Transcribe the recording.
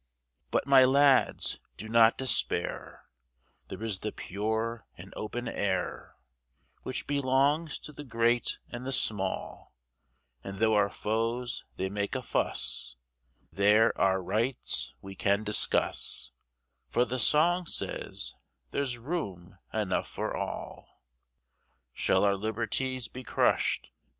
But, my lads, do not despair, There is the pure and open air, Which belong to the great and the small, And though our foes they make a fuss, There our rights we can discuss, For the song says "There's room enough for all." Shall our liberties be crushed.